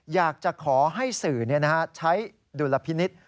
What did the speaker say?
อยากจะขอให้สื่อใช้ดุลพินิษฐ์